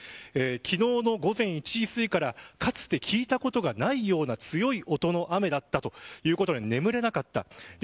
昨日の午前１時すぎからかつて聞いたことがないような強い雨だったということで眠れなかった。